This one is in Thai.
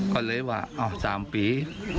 ก็เลยให้ว่า๓ปี